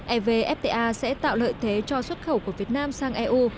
evfta sẽ tạo lợi thế cho xuất khẩu của việt nam sang eu